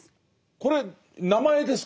これ名前ですか？